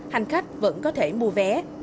hành khách vẫn có thể mua vé